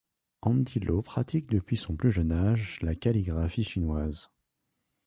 Andy Lau pratique depuis son plus jeune âge la calligraphie chinoise.